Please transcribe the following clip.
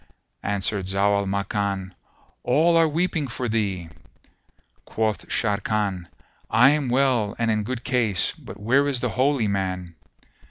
Answered Zau al Makan, "All are weeping for thee." Quoth Sharrkan, "I am well and in good case; but where is the Holy Man?"